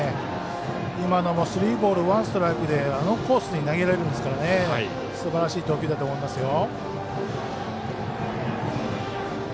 今のもスリーボールワンストライクであのコースに投げられるんですからすばらしい投球だと思います。